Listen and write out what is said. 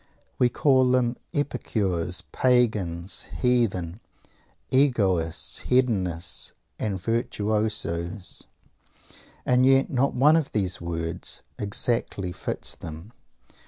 We call them Epicures, Pagans, Heathen, Egoists, Hedonists, and Virtuosos. And yet not one of these words exactly fits them.